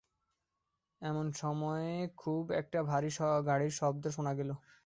এমন সময়ে খুব একটা ভারী গাড়ির শব্দ শোনা গেল।